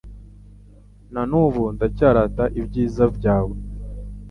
na n’ubu ndacyarata ibyiza byawe